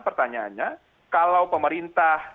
pertanyaannya kalau pemerintah